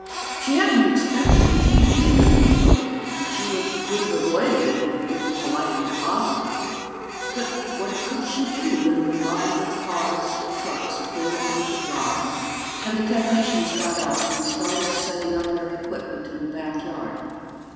She hadn't expected the TV interview, though, and she would have avoided it if it had been politely possible. But what could she do when the line of cars and trucks pulled into the drive and the technicians got out and started setting up their equipment in the backyard?